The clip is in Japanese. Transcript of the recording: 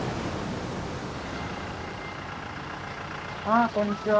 あこんにちは。